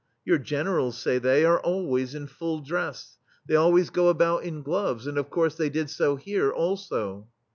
'* "Your Generals,'* say they, "are al ways in full dress ; they always go about THE STEEL FLEA in gloves, and, of course, they did so here, also."